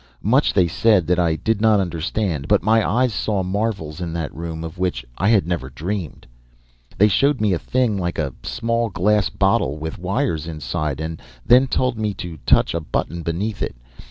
Much they said that I did not understand but my eyes saw marvels in that room of which I had never dreamed. "They showed me a thing like a small glass bottle with wires inside, and then told me to touch a button beneath it.